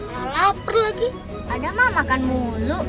lalu lapar lagi pada mah makan mulu